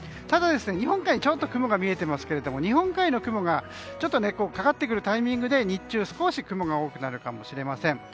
ただ日本海にちょっと雲が見えていますけども日本海の雲が、根っこにかかってくるタイミングで日中、少し雲が多くなるかもしれません。